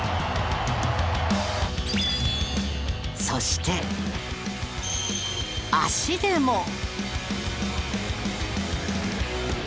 そして足でも。